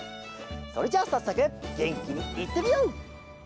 それじゃあさっそくげんきにいってみよう！